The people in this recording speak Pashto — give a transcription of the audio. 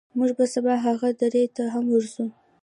موږ به سبا هغې درې ته هم ورځو.